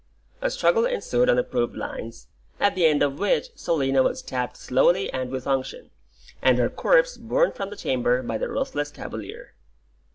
A struggle ensued on approved lines, at the end of which Selina was stabbed slowly and with unction, and her corpse borne from the chamber by the ruthless cavalier.